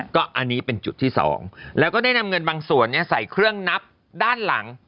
ก็อันนี้เป็นจุดที่๒แล้วก็ได้นำเงินบางส่วนใส่เครื่องนับด้านหลัง